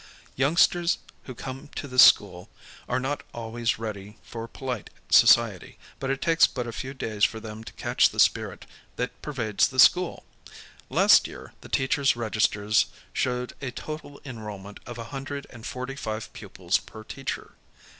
Youngsters who come to this school are not always ready for polite society, but it takes but a few days for them to catch the spirit that pervades the school. Last year the teachers' registers showed a total enrollment of a hundred and forty five pupils per teacher.